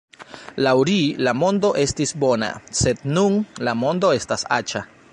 Laŭ ri, la mondo estis bona, sed nun, la mondo estas aĉa.